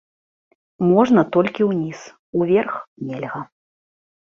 Можна толькі ўніз, уверх нельга.